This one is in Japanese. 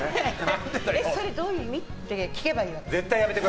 それどういう意味って聞けばいいわけ？